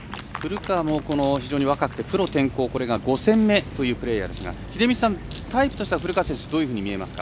古川も非常に若くてプロ転向これが５戦目というプレーヤーですが、秀道さんタイプとしては古川選手どういうふうに見えますか？